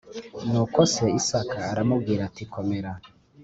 Nuko se Isaka aramubwira ati komera